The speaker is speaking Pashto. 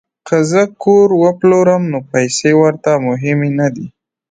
که زه کور وپلورم نو پیسې ورته مهمې نه دي